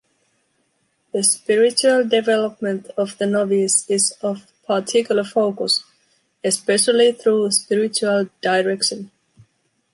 The spiritual development of the novice is of particular focus, especially through spiritual direction.